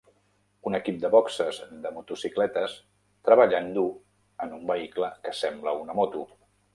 Un equip de boxes de motocicletes treballant dur en un vehicle que sembla una moto.